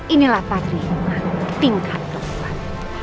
inilah padriku tingkat kekuat